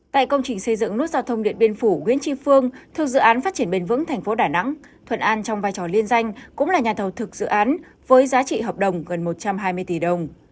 tại công trình xây dựng nút giao thông điện biên phủ nguyễn tri phương thuộc dự án phát triển bền vững tp đà nẵng thuận an trong vai trò liên danh cũng là nhà thầu thực dự án với giá trị hợp đồng gần một trăm hai mươi tỷ đồng